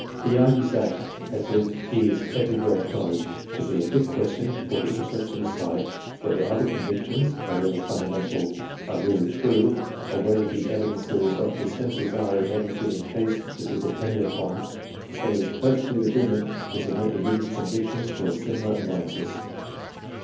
He argues that, as it is everywhere acknowledged to be a fit question for the intellect to decide whether other convictions, however fundamental, are really true, or whether the evidences of the senses are, in any given case, to be depended on, so it is perfectly legitimate to submit religious convictions to a similar analysis.